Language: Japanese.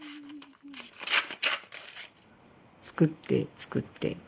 作って作って。